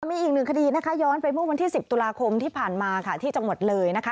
มีอีกหนึ่งคดีนะคะย้อนไปเมื่อวันที่๑๐ตุลาคมที่ผ่านมาค่ะที่จังหวัดเลยนะคะ